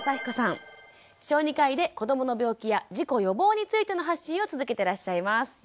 小児科医で子どもの病気や事故予防についての発信を続けてらっしゃいます。